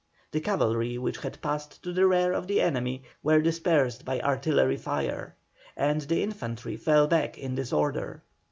The cavalry which had passed to the rear of the enemy, were dispersed by artillery fire, and the infantry fell back in disorder.